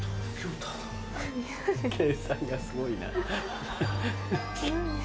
計算がすごいな。